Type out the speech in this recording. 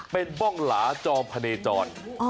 เป็นบ้องหลาจอมพะเนจร